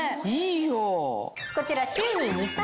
こちら。